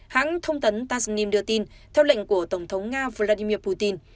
hãng thông tấn tasnim đưa tin theo lệnh của tổng thống nga vladimir putin